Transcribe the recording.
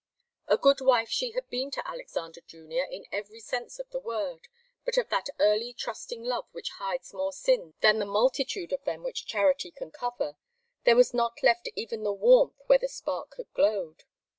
A good wife she had been to Alexander Junior in every sense of the word, but of that early trusting love which hides more sins than the multitude of them which charity can cover, there was not left even the warmth where the spark had glowed.